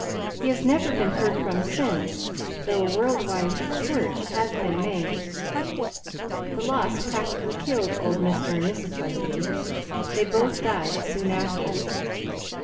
He has never been heard from since, though a world wide search has been made. "The loss practically killed old Mr. and Mrs. Wetherby. They both died soon after.